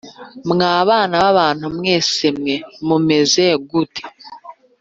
Mwa bana b abantu mwese mwe mumeze gute.